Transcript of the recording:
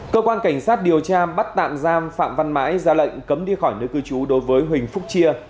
cơ quan cảnh sát điều tra bắt tạm giam phạm văn mãi ra lệnh cấm đi khỏi nơi cư trú đối với huỳnh phúc chia